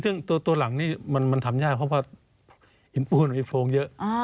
ซึ่งตัวหลังนี่มันทำยากเพราะว่าหินปูนมีโพงเยอะ